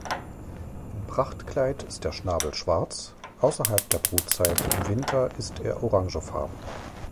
Im Prachtkleid ist der Schnabel schwarz, außerhalb der Brutzeit im Winter ist er orangefarben.